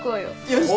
よし。